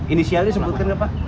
inisialnya disebutkan apa